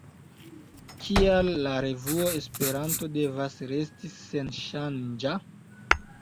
Kial la revuo Esperanto devas resti senŝanĝa?